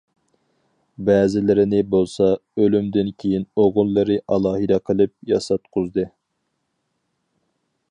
بەزىلىرىنى بولسا، ئۆلۈمىدىن كېيىن ئوغۇللىرى ئالاھىدە قىلىپ ياساتقۇزدى.